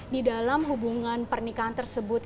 di dalam hubungan pernikahan tersebut